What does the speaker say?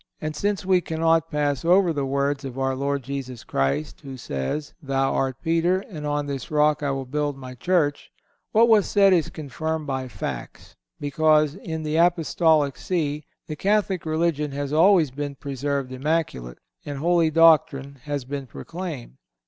And since we cannot pass over the words of our Lord Jesus Christ, who says, 'Thou art Peter, and on this rock I will build My Church,' what was said is confirmed by facts, because in the Apostolic See the Catholic religion has always been preserved immaculate, and holy doctrine has been proclaimed.